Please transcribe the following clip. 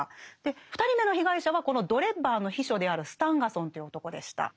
２人目の被害者はこのドレッバーの秘書であるスタンガソンという男でした。